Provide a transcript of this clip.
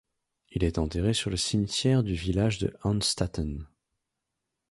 Il est enterré sur le cimetière du village de Hahnstätten.